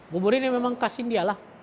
bubur ini memang khas india lah